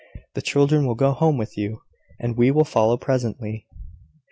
The children will go home with you; and we will follow presently."